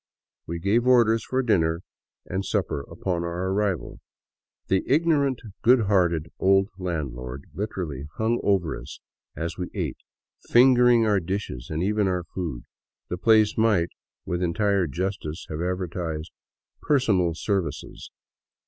We gave orders for dinner and supper upon our arrival. The ignorant, good hearted old landlord literally hung over us as we ate, fingering our dishes and even our food. The place might, with entire justice, have advertised " personal services."